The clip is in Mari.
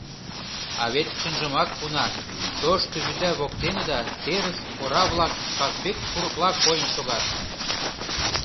А вет чынжымак, уна, тошто вӱта воктеныда терыс ора-влак Казбек курыкла койын шогат.